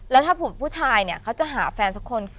แล้วถ้าผู้ชายเนี่ยเขาจะหาแฟนสักคน